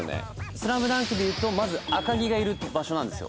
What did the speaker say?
『スラムダンク』で言うとまず、赤木がいる場所なんですよ